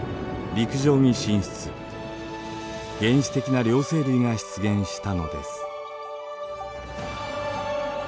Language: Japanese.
原始的な両生類が出現したのです。